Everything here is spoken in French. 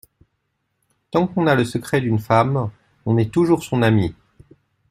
Tant qu’on a le secret d’une femme, on est toujours son ami.